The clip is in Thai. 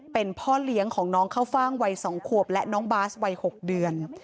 เป็นพ่อเลี้ยงของน้องข้าวฟ่างวัย๒ขวบและน้องบาสวัย๖เดือน